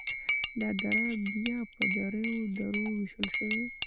دا دره بیا په دریو درو ویشل شوي: